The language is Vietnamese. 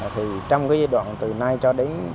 thì trong cái giai đoạn từ nay cho đến